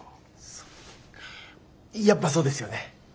そっかやっぱそうですよね。